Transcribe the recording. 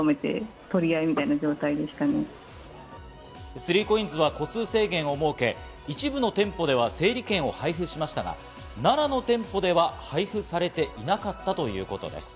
３ＣＯＩＮＳは個数制限を設け、一部の店舗では整理券を配布しましたが、奈良の店舗では配布されていなかったということです。